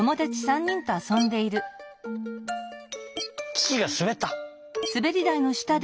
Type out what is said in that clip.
キキがすべった。